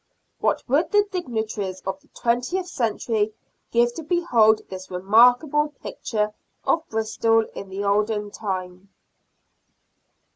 What would the dignitaries of the twentieth century give to behold this remarkable picture of Bristol in the olden time